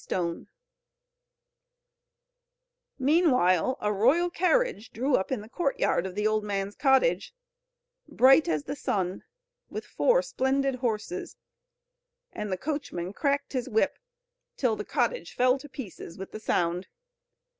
[Illustration: THE REWARD OF THE GOOD LITTLE GIRL] Meanwhile a royal carriage drew up in the courtyard of the old man's cottage, bright as the sun, with four splendid horses, and the coachman cracked his whip till the cottage fell to pieces with the sound.